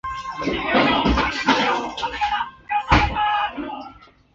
住友生命保险相互会社是一家日本人寿保险相互会社。